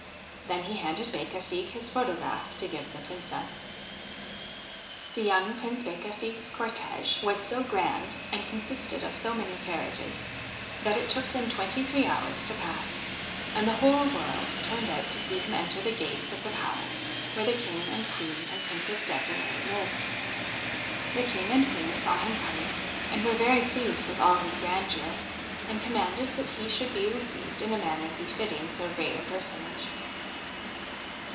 Then he handed Becafigue his photograph to give the Princess. The young Prince Becafigue's cortege was so grand, and con sisted of so many carriages, that it took them twenty three hours to pass ; and the whole world turned out to see him enter the gates of the palace where the King and Queen and Princess Dsiree lived. The King and Queen saw him coming and were very pleased with all his grandeur, and commanded that he should be received in a manner befitting so great a personage.